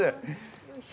よいしょ。